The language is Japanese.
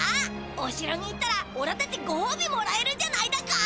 おしろに行ったらおらたちごほうびもらえるんじゃないだか？